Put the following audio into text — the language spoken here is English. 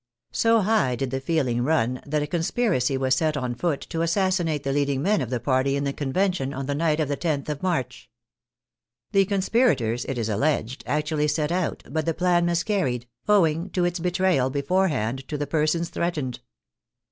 So high did the feeling run that a conspiracy was set on foot to assassinate the leading men of the party in the Convention on the night of the loth of March. The con spirators, it is alleged, actually set out, but the plan mis carried, owing to its betrayal beforehand to the persons threatened.